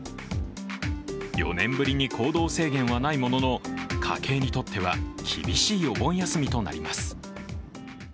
４年ぶりに行動制限はないものの、家計にとっては厳しいお盆休みとなります。